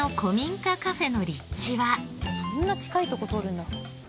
そんな近いとこ通るんだ。